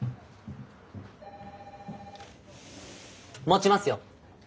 持ちますよ。